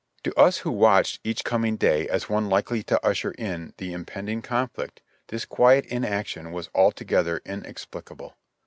To us who watched each coming day as one likely to usher in the impending conflict, this quiet inaction was altogether inex plicable.